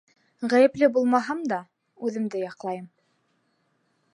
Ғәйепле булмаһам да, үҙемде яҡлайым.